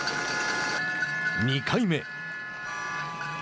２回目。